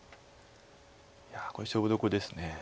いやこれ勝負どころです。